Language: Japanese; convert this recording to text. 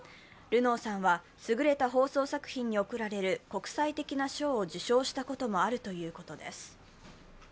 ルノーさんは優れた放送作品に贈られる国際的な賞を受賞したこともあるということです。